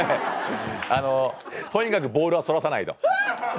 とにかくボールはそらさないと。